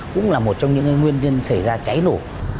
cũng là một trong những nguyên nhân xảy ra cháy nổ